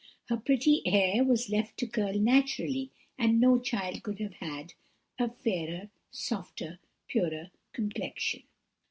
Her pretty hair was left to curl naturally, and no child could have had a fairer, softer, purer complexion.